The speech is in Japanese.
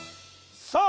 さあ